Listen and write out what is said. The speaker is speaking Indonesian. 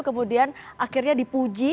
kemudian akhirnya dipuji